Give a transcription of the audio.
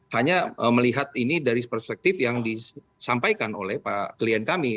hanya melihat ini dari perspektif yang disampaikan oleh klien kami